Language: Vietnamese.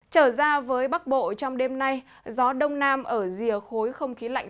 trở ra với bắc bộ trong đêm nay gió đông nam ở rìa khối không khí lạnh